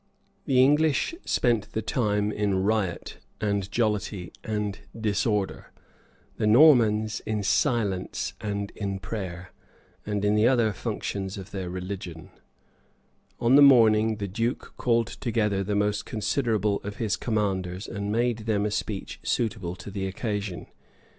The English spent the time in riot, and jollity, and disorder; the Normans, in silence, and in prayer, and in the other functions of their religion.[] [* Higden, p. 286] [ W. Malms, p. 101. De Gest Angl. p. 332] On the morning, the duke called together the most considerable of his commanders, and made them a speech suitable to the occasion.